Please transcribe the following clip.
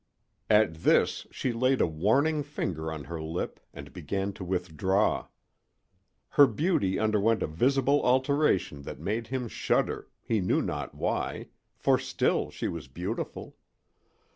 At this she laid a warning finger on her lip and began to withdraw. Her beauty underwent a visible alteration that made him shudder, he knew not why, for still she was beautiful.